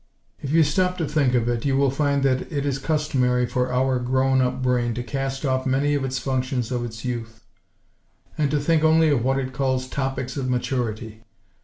If you stop to think of it, you will find that it is customary for our "grown up" brain to cast off many of its functions of its youth; and to think only of what it calls "topics of maturity."